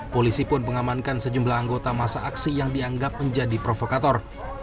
polisi pun mengamankan sejumlah anggota masa aksi yang dianggap menjadi provokator